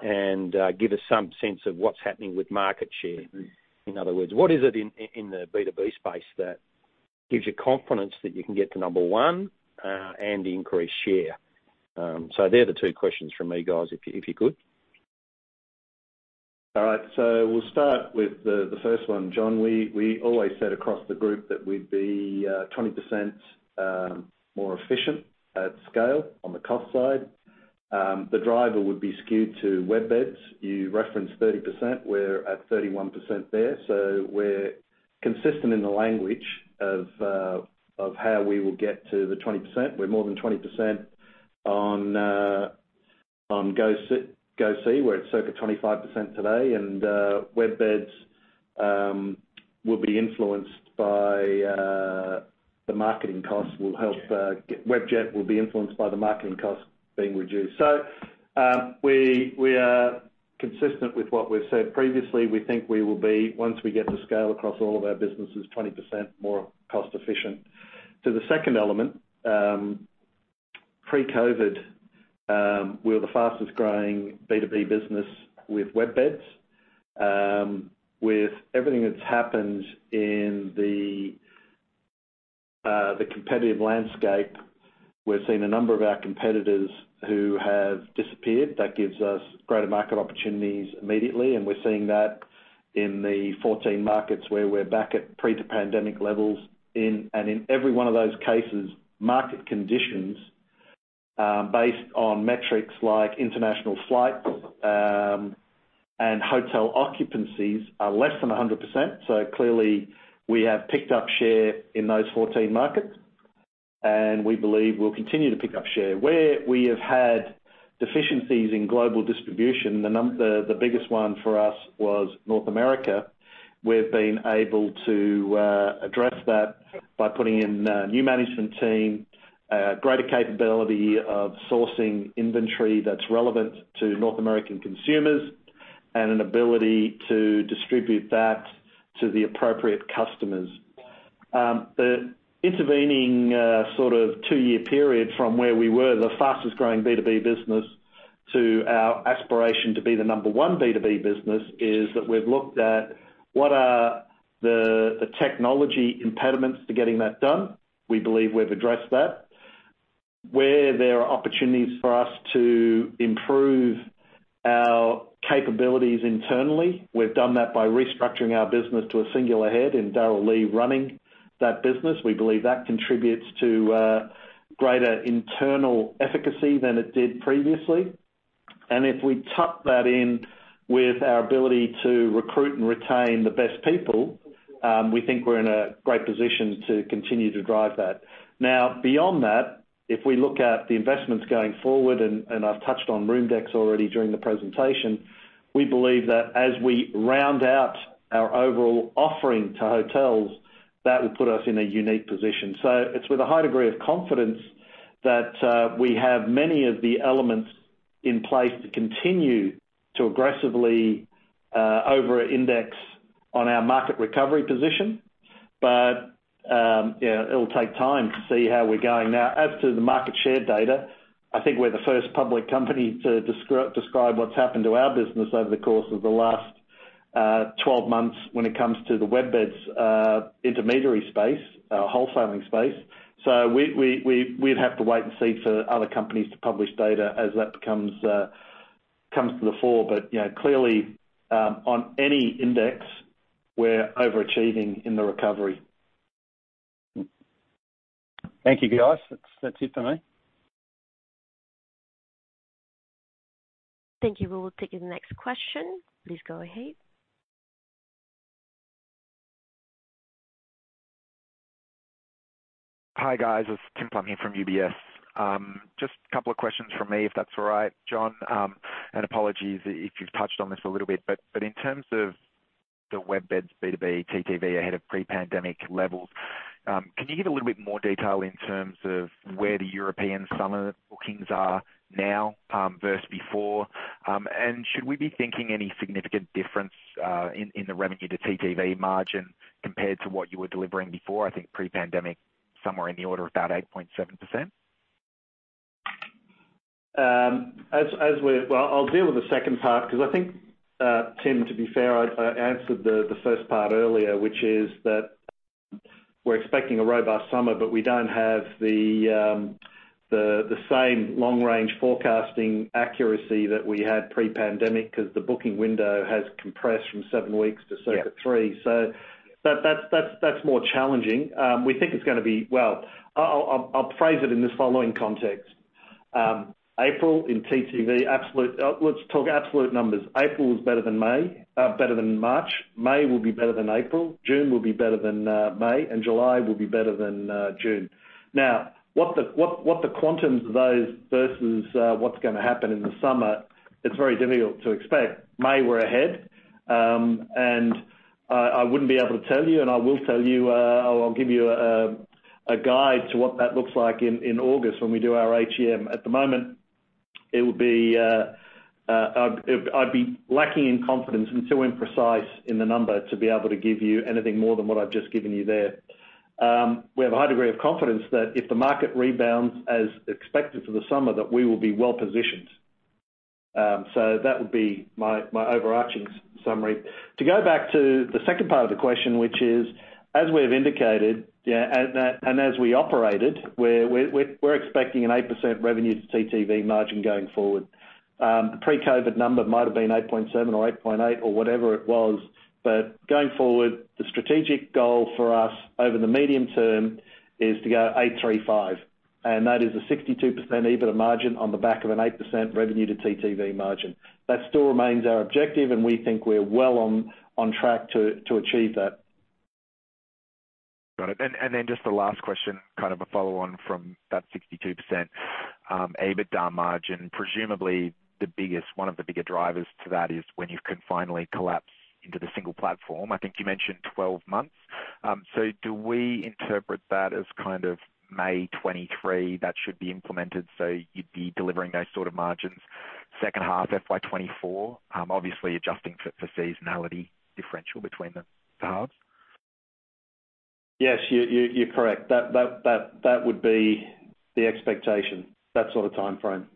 and give us some sense of what's happening with market share. In other words, what is it in the B2B space that gives you confidence that you can get to number one and increase share? They're the two questions from me, guys, if you could. All right. We'll start with the first one, John. We always said across the group that we'd be 20% more efficient at scale on the cost side. The driver would be skewed to WebBeds. You referenced 30%. We're at 31% there. We're consistent in the language of how we will get to the 20%. We're more than 20% on GoSee, where it's circa 25% today. WebBeds will be influenced by the marketing costs. The marketing costs will help. Webjet will be influenced by the marketing costs being reduced. We are consistent with what we've said previously. We think we will be, once we get the scale across all of our businesses, 20% more cost efficient. To the second element, pre-COVID, we were the fastest growing B2B business with WebBeds. With everything that's happened in the competitive landscape, we're seeing a number of our competitors who have disappeared. That gives us greater market opportunities immediately, and we're seeing that in the 14 markets where we're back at pre-pandemic levels in. In every one of those cases, market conditions, based on metrics like international flights, and hotel occupancies are less than 100%. Clearly we have picked up share in those 14 markets, and we believe we'll continue to pick up share. Where we have had deficiencies in global distribution, the biggest one for us was North America. We've been able to address that by putting in a new management team, a greater capability of sourcing inventory that's relevant to North American consumers, and an ability to distribute that to the appropriate customers. The intervening sort of two-year period from where we were the fastest growing B2B business to our aspiration to be the number one B2B business is that we've looked at what are the technology impediments to getting that done. We believe we've addressed that. Where there are opportunities for us to improve our capabilities internally, we've done that by restructuring our business to a singular head in Darrell Lee running that business. We believe that contributes to greater internal efficacy than it did previously. If we tuck that in with our ability to recruit and retain the best people, we think we're in a great position to continue to drive that. Now, beyond that, if we look at the investments going forward, and I've touched on ROOMDEX already during the presentation, we believe that as we round out our overall offering to hotels, that will put us in a unique position. It's with a high degree of confidence that we have many of the elements in place to continue to aggressively over-index on our market recovery position. Yeah, it'll take time to see how we're going. Now, as to the market share data, I think we're the first public company to describe what's happened to our business over the course of the last 12 months when it comes to the WebBeds intermediary space, wholesaling space. We'd have to wait and see for other companies to publish data as that comes to the fore. You know, clearly, on any index, we're overachieving in the recovery. Thank you, guys. That's it for me. Thank you. We will take the next question. Please go ahead. Hi, guys. It's Tim Plumbe from UBS. Just a couple of questions from me, if that's all right. John, apologies if you've touched on this a little bit, but in terms of the WebBeds B2B TTV ahead of pre-pandemic levels, can you give a little bit more detail in terms of where the European summer bookings are now, versus before? Should we be thinking any significant difference in the revenue to TTV margin compared to what you were delivering before? I think pre-pandemic, somewhere in the order of about 8.7%. Well, I'll deal with the second part because I think, Tim, to be fair, I answered the first part earlier, which is that we're expecting a robust summer, but we don't have the same long-range forecasting accuracy that we had pre-pandemic because the booking window has compressed from seven weeks to- Yeah. Circa three. That's more challenging. We think it's gonna be. Well, I'll phrase it in this following context. April in TTV, let's talk absolute numbers. April is better than March. May will be better than April. June will be better than May, and July will be better than June. Now, what the quantum of those versus what's gonna happen in the summer, it's very difficult to expect. May we're ahead. I wouldn't be able to tell you, and I will tell you, or I'll give you a guide to what that looks like in August when we do our HEM. At the moment, it would be, I'd be lacking in confidence and too imprecise in the number to be able to give you anything more than what I've just given you there. We have a high degree of confidence that if the market rebounds as expected for the summer, that we will be well-positioned. That would be my overarching summary. To go back to the second part of the question, which is, as we have indicated, and as we operated, we're expecting an 8% revenue to TTV margin going forward. The pre-COVID number might have been 8.7% or 8.8% or whatever it was. Going forward, the strategic goal for us over the medium term is to go 835, and that is a 62% EBITDA margin on the back of an 8% revenue to TTV margin. That still remains our objective, and we think we're well on track to achieve that. Got it. Then just the last question, kind of a follow-on from that 62% EBITDA margin. Presumably, one of the bigger drivers to that is when you can finally collapse into the single platform. I think you mentioned 12 months. Do we interpret that as kind of May 2023 that should be implemented, so you'd be delivering those sort of margins second half FY 2024? Obviously adjusting for seasonality differential between the halves. Yes, you're correct. That would be the expectation. That sort of timeframe.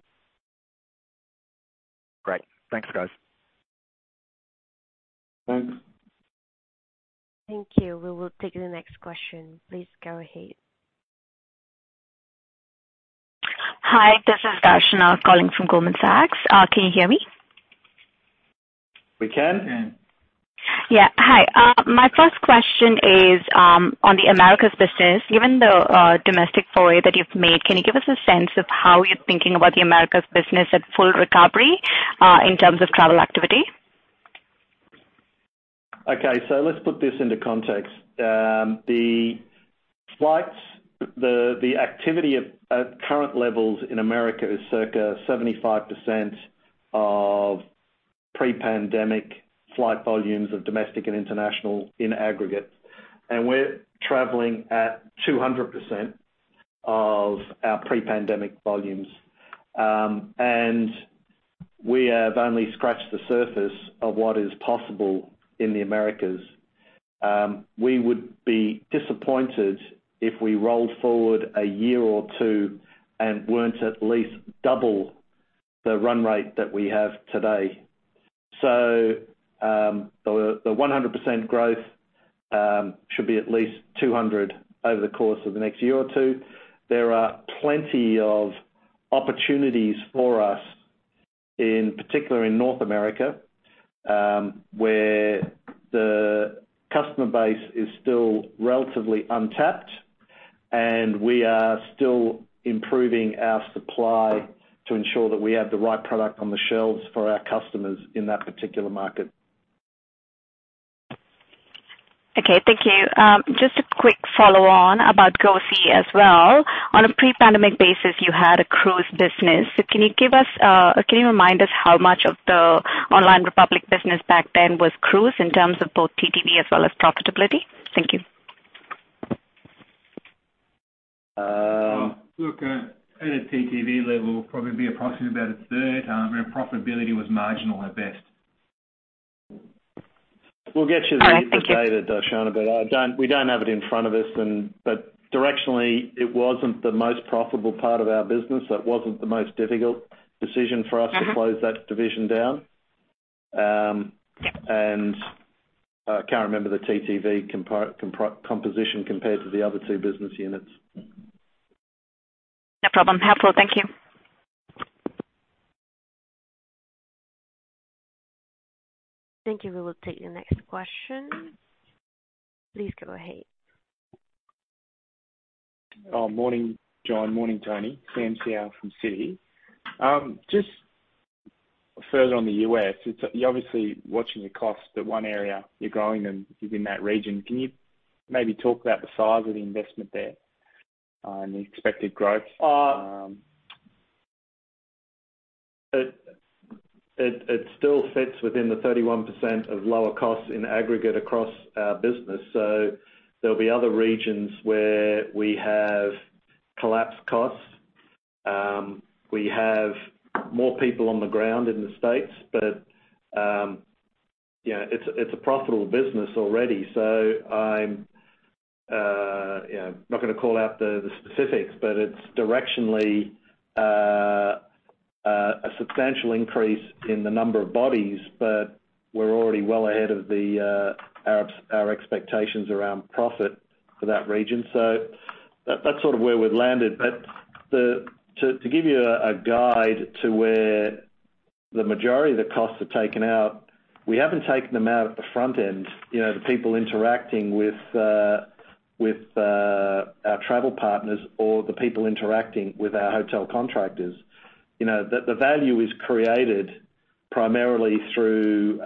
Great. Thanks, guys. Thanks. Thank you. We will take the next question. Please go ahead. Hi, this is Darshan Nahar calling from Goldman Sachs. Can you hear me? We can. Yeah. Yeah. Hi. My first question is on the Americas business. Given the domestic foray that you've made, can you give us a sense of how you're thinking about the Americas business at full recovery in terms of travel activity? Okay, let's put this into context. The activity at current levels in America is circa 75% of pre-pandemic flight volumes of domestic and international in aggregate. We're traveling at 200% of our pre-pandemic volumes. We have only scratched the surface of what is possible in the Americas. We would be disappointed if we rolled forward a year or two and weren't at least double the run rate that we have today. The 100% growth should be at least 200 over the course of the next year or two. There are plenty of opportunities for us, in particular in North America, where the customer base is still relatively untapped, and we are still improving our supply to ensure that we have the right product on the shelves for our customers in that particular market. Okay. Thank you. Just a quick follow-on about GoSee as well. On a pre-pandemic basis, you had a cruise business. Can you remind us how much of the Online Republic business back then was cruise in terms of both TTV as well as profitability? Thank you. Well, look, at a TTV level, probably be approximately about a third. Our profitability was marginal at best. We'll get you the... All right, thank you. ...Data, though, Darshan Nahar, we don't have it in front of us. Directionally, it wasn't the most profitable part of our business. That wasn't the most difficult decision for us... Mm-hmm To close that division down. I can't remember the TTV composition compared to the other two business units. No problem. Helpful. Thank you. Thank you. We will take the next question. Please go ahead. Morning, John. Morning, Tony. Sam Seow from Citi. Just further on the U.S., you're obviously watching the costs in one area you're growing and within that region. Can you maybe talk about the size of the investment there, and the expected growth? It still fits within the 31% of lower costs in aggregate across our business. There'll be other regions where we have collapsed costs. We have more people on the ground in the States, but you know, it's a profitable business already. I'm you know, not gonna call out the specifics, but it's directionally a substantial increase in the number of bodies, but we're already well ahead of our expectations around profit for that region. That's sort of where we've landed. To give you a guide to where the majority of the costs are taken out, we haven't taken them out at the front end. You know, the people interacting with our travel partners or the people interacting with our hotel contractors. You know, the value is created primarily through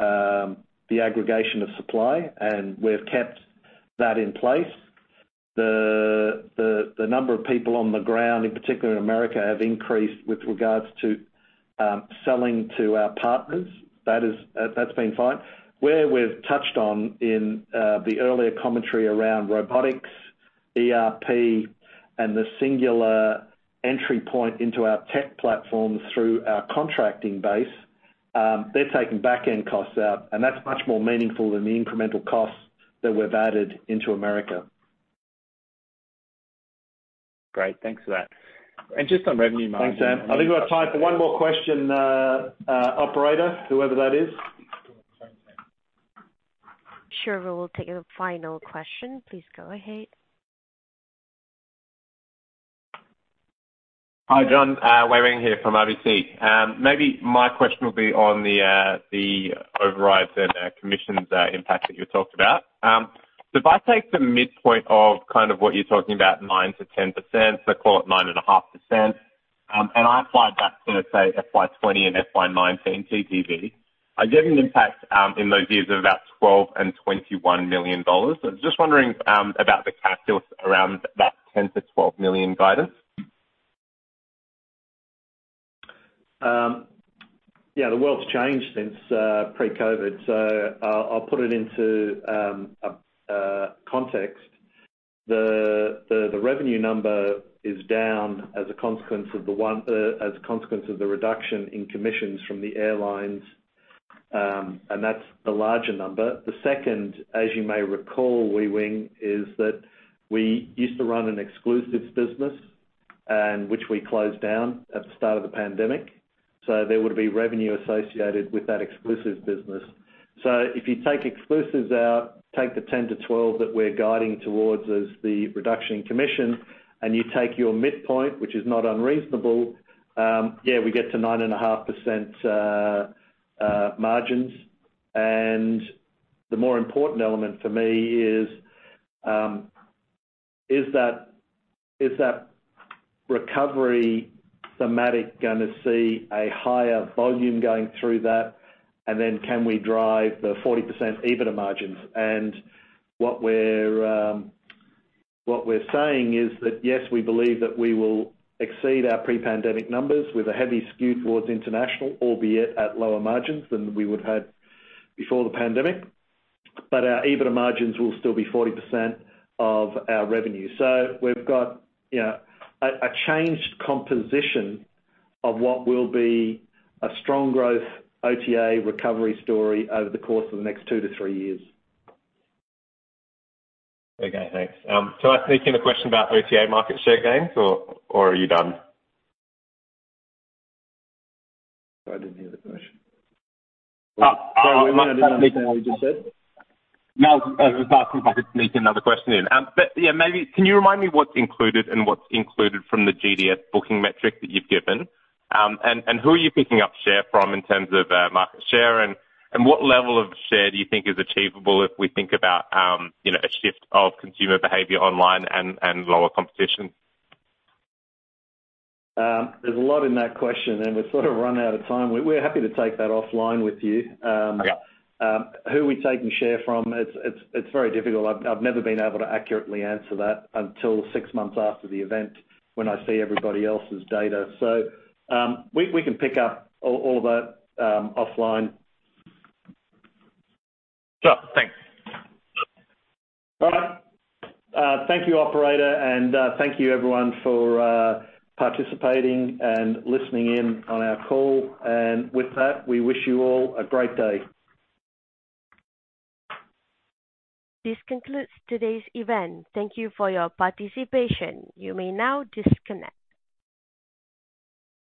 the aggregation of supply, and we've kept that in place. The number of people on the ground, in particular in America, have increased with regards to selling to our partners. That's been fine. Where we've touched on in the earlier commentary around robotics, ERP, and the singular entry point into our tech platforms through our contracting base, they're taking back-end costs out, and that's much more meaningful than the incremental costs that we've added into America. Great. Thanks for that. Just on revenue margin- Thanks, Sam. I think we've got time for one more question, operator, whoever that is. Sure. We will take a final question. Please go ahead. Hi, John. Dongming Wei here from RBC. Maybe my question will be on the overrides and commissions impact that you talked about. If I take the midpoint of kind of what you're talking about, 9%-10%, so call it 9.5%, and apply that to, say, FY 2020 and FY 2019 TTV. I get an impact in those years of about 12 million and 21 million dollars. Just wondering about the calculus around that 10 million-12 million guidance. Yeah, the world's changed since pre-COVID, so I'll put it into a context. The revenue number is down as a consequence of the reduction in commissions from the airlines, and that's the larger number. The second, as you may recall, Dongming Wei, is that we used to run an exclusives business and which we closed down at the start of the pandemic. There would be revenue associated with that exclusive business. If you take exclusives out, take the 10%-12% that we're guiding towards as the reduction in commission, and you take your midpoint, which is not unreasonable, yeah, we get to 9.5% margins. The more important element for me is that recovery thematic gonna see a higher volume going through that, and then can we drive the 40% EBITDA margins? What we're saying is that, yes, we believe that we will exceed our pre-pandemic numbers with a heavy skew towards international, albeit at lower margins than we would had before the pandemic. Our EBITDA margins will still be 40% of our revenue. We've got, you know, a changed composition of what will be a strong growth OTA recovery story over the course of the next two to three years. Okay, thanks. Can I sneak in a question about OTA market share gains or are you done? I didn't hear the question. Uh, uh. Sorry, Dongming Wei, I didn't understand what you just said. No, I was asking if I could sneak another question in. Yeah, maybe can you remind me what's included from the GDS booking metric that you've given? And who are you picking up share from in terms of market share? What level of share do you think is achievable if we think about you know, a shift of consumer behavior online and lower competition? There's a lot in that question, and we've sort of run out of time. We're happy to take that offline with you. Yeah. Who we're taking share from, it's very difficult. I've never been able to accurately answer that until six months after the event when I see everybody else's data. We can pick up all of that offline. Sure. Thanks. All right. Thank you, operator, and thank you everyone for participating and listening in on our call. With that, we wish you all a great day. This concludes today's event. Thank you for your participation. You may now disconnect.